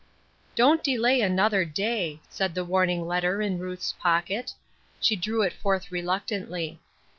" Don't delay another day," said the warning letter in Ruth's pocket. She drew it forth reluc tantly.